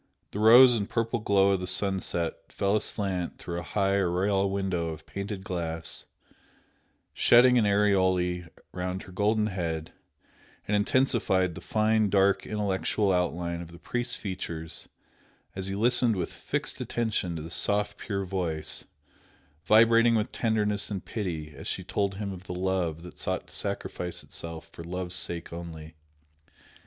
The rose and purple glow of the sunset fell aslant through a high oriel window of painted glass, shedding an aureole round her golden head, and intensified the fine, dark intellectual outline of the priest's features as he listened with fixed attention to the soft pure voice, vibrating with tenderness and pity as she told him of the love that sought to sacrifice itself for love's sake only.